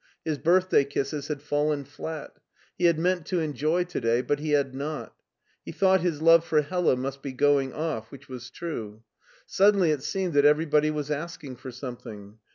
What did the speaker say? His birthday kisses had fallen flat He had meant to enjoy to day, but he had not He thought his love for Hella must be going off, which was true. Suddenly it seemed that everybody was asking for something.